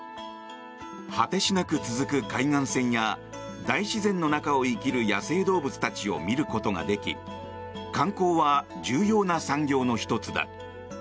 果てしなく続く海岸線や大自然の中で生きる野生動物たちを見ることができ観光は重要な産業の１つだ。